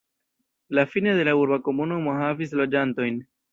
La Fine de la urba komunumo havis loĝantojn.